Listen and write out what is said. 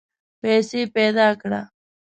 پیسې پیدا کړه.